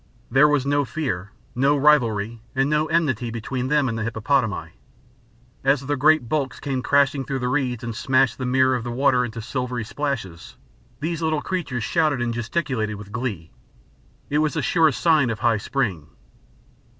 There was no fear, no rivalry, and no enmity between them and the hippopotami. As the great bulks came crashing through the reeds and smashed the mirror of the water into silvery splashes, these little creatures shouted and gesticulated with glee. It was the surest sign of high spring.